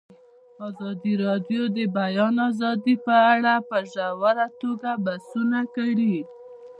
ازادي راډیو د د بیان آزادي په اړه په ژوره توګه بحثونه کړي.